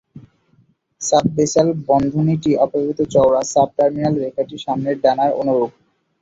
Sub-basal বন্ধনীটি অপেক্ষাকৃত চওড়া sub-terminal রেখাটি সামনের ডানার অনুরূপ।